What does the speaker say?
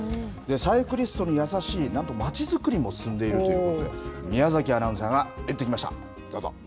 サイクリストに優しい、なんと街づくりも進んでいるということで、宮崎アナウンサーが行ってきました。